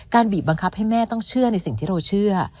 บีบบังคับให้แม่ต้องเชื่อในสิ่งที่เราเชื่อ